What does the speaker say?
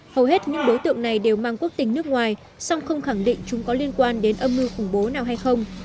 hầu hết những đối tượng này đều mang quốc tình nước ngoài song không khẳng định chúng có liên quan đến âm mưu khủng bố nào hay không